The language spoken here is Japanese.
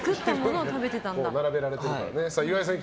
並べられてるからね。